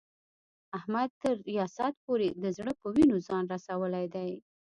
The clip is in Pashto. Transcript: احمد تر ریاست پورې د زړه په وینو ځان رسولی دی.